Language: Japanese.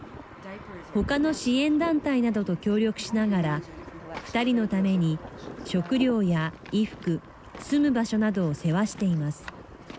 他の支援団体などと協力しながら２人のために食料や衣服、住む場所などを世話しています。